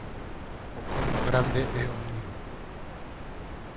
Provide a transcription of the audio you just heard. O corvo grande é omnívoro.